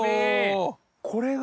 これが。